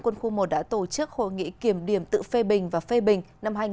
quân khu một đã tổ chức hội nghị kiểm điểm tự phê bình và phê bình